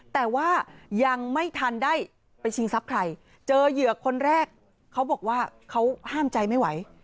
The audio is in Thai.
แต่ว่ายังไม่ทันได้ไปชิงทรัพย์ใครเจอเหยื่อคนแรกเขาบอกว่าเขาห้ามใจไม่ไหว